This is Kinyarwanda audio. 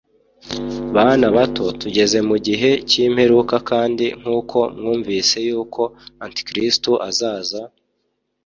Bana bato, tugeze mu gihe cy’imperuka kandi nk’uko mwumvise yuko Antikristo azaza,